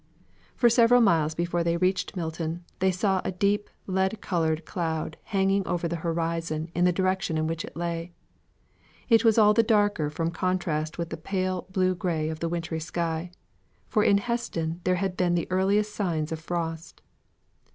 For several miles before they reached Milton, they saw a deep lead coloured cloud hanging over the horizon in the direction in which it lay. It was all the darker from contrast with the pale gray blue of the wintry sky; for in Heston there had been the earliest signs of frost.